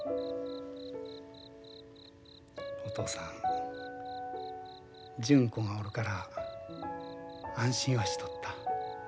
お父さん純子がおるから安心はしとった。